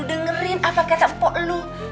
dengerin apa kata pok lo